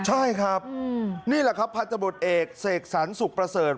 ใช่ครับนี่แหละครับผ่านตำรดเอกเศสสันสุขประเสริญ